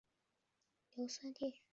硫酸锑是一种强氧化剂。